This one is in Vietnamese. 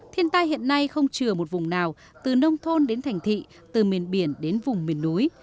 thiên tai hiện nay không trừ một vùng nào từ nông thôn đến thành thị từ miền biển đến vùng miền núi